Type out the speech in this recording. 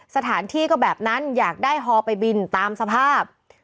สถานที่ก็แบบนั้นอยากได้ฮอลไปบินตามสภาพ